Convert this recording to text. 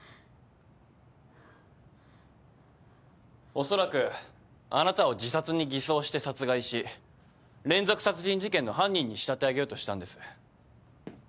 おそらくあなたを自殺に偽装して殺害し連続殺人事件の犯人に仕立て上げようとしたんです。